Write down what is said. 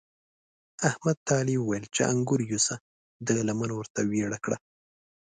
احمد ته علي وويل چې انګور یوسه؛ ده لمن ورته ويړه کړه.